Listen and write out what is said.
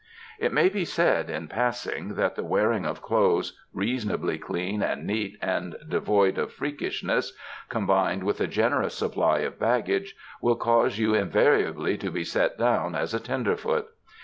It may be said, in passing, that the wearing of clothes reasonably clean and neat and devoid of 61 UNDER THE SKY IN CALIFORNIA freakishness, combined with a generous supply of baggage, will cause you invariably to be set down as a tenderfoot.